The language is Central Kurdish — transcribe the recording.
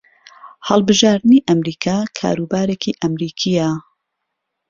هەڵبژارنەکانی ئەمریکا کاروبارێکی ئەمریکییە